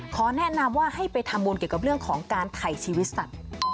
แนะนำว่าให้ไปทำบุญเกี่ยวกับเรื่องของการถ่ายชีวิตสัตว์